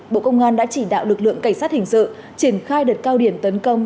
bộ công an đã chỉ đạo lực lượng cảnh sát hình sự triển khai đợt cao điểm tấn công